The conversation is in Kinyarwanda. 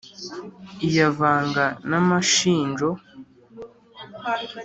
Iyavanga n’amashinjo*,